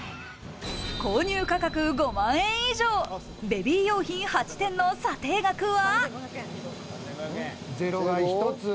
購入価格５万円以上のベビー用品８点の査定額は？